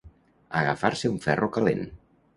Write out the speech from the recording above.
Agafar-se a un ferro calent.